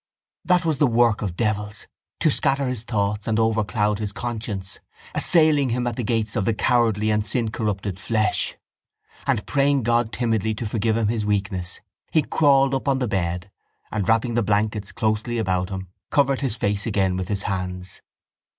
That was the work of devils, to scatter his thoughts and overcloud his conscience, assailing him at the gates of the cowardly and sincorrupted flesh: and, praying God timidly to forgive him his weakness, he crawled up on to the bed and, wrapping the blankets closely about him, covered his face again with his hands.